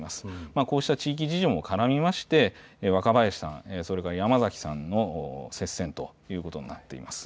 こうした地域事情も絡みまして若林さん、それから山崎さんの接戦ということになっています。